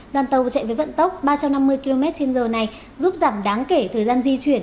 đoàn tàu chạy với vận tốc ba trăm năm mươi km trên giờ này giúp giảm đáng kể thời gian di chuyển